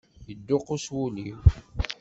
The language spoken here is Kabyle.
Yedduqus wul-iw.